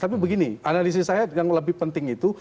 tapi begini analisis saya yang lebih penting itu